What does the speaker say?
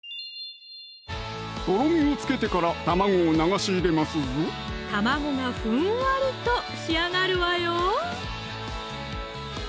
とろみをつけてから卵を流し入れますぞ卵がふんわりと仕上がるわよ